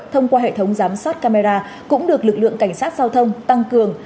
thông qua hệ thống giám sát camera cũng được lực lượng cảnh sát giao thông tăng cường